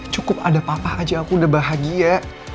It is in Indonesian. cukup ada papa aja aku udah bahagia